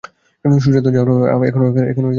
সূর্যাস্ত যাওয়ার এখনো আঘা ঘন্টা বাকি।